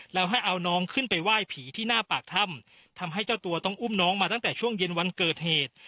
แล้วให้เอาน้องขึ้นไปไหว้ผีที่หน้าปากถ้ำทำให้เจ้าตัวต้องอุ้มน้องมาตั้งแต่ช่วงเย็นวันเกิดเหตุ